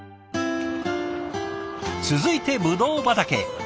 続いてブドウ畑へ。